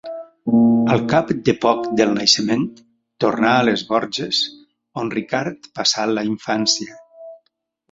Al cap de poc del naixement, tornà a Les Borges, on Ricard passà la infància.